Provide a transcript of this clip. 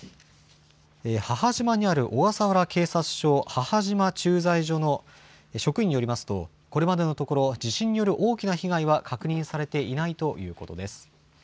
母島にある小笠原警察署母島駐在所の職員によりますと、これまでのところ、地震による大きな被害は確認されていないということです。